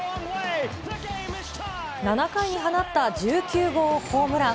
７回に放った１９号ホームラン。